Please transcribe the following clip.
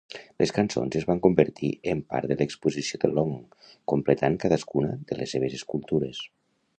Les cançons es van convertir en part de l'exposició de Long, complementant cadascuna de les seves escultures.